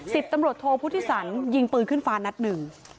สิบตำรวจโทพุทธิสันยิงปืนขึ้นฟ้านัดหนึ่ง